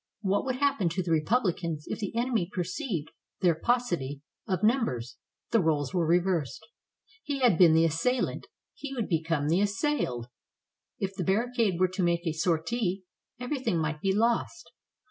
What would happen to the republicans if the enemy perceived their paucity of numbers? The roles were reversed. He had been the assailant, — he would become the assailed. If the barri cade were to make a sortie, everything might be lost.